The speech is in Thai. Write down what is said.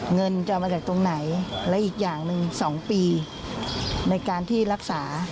เงินจะเอามาจากตรงไหนและอีกอย่างหนึ่ง๒ปีในการที่รักษา